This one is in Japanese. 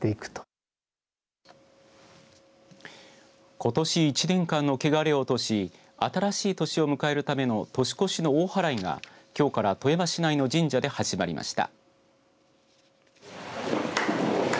ことし１年間のけがれを落とし新しい年を迎えるための年越の大祓がきょうから富山市内の神社で始まりました。